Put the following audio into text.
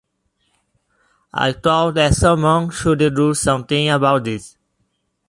I thought that someone should do something about this.